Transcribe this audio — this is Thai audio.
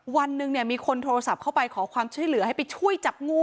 วันหนึ่งเนี่ยมีคนโทรศัพท์เข้าไปขอความช่วยเหลือให้ไปช่วยจับงู